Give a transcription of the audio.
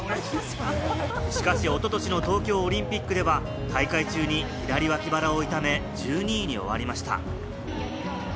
しかし、おととしの東京オリンピックでは大会中に左脇腹を痛め、１２位に終わりました。